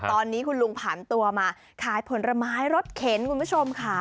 ตอนนี้คุณลุงผ่านตัวมาขายผลไม้รถเข็นคุณผู้ชมค่ะ